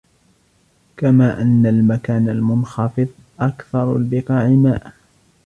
كَمَا أَنَّ الْمَكَانَ الْمُنْخَفِضَ أَكْثَرُ الْبِقَاعِ مَاءً